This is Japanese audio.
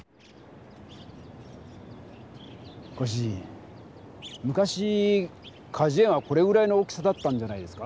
ご主人昔かじゅ園はこれぐらいの大きさだったんじゃないですか？